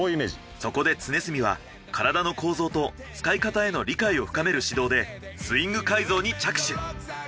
そこで常住は体の構造と使い方への理解を深める指導でスイング改造に着手。